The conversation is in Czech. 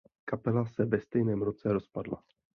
Kapela se ve stejném roce rozpadla.